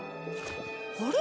あれ？